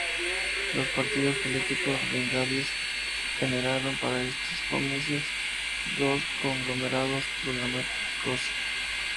Los partidos políticos bengalíes generaron para estos comicios dos conglomerados programáticos.